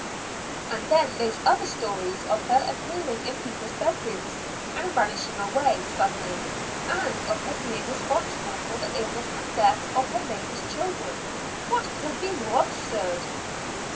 "And then those other stories of her appearing in people's bed rooms, and vanishing away suddenly; and of her being responsible for the illness and death of her neighbors' children; what could be more absurd?"